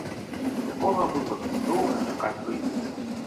Такога выпадку доўга чакаць прыйдзецца.